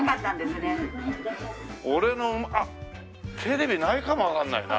俺のあっテレビないかもわかんないな。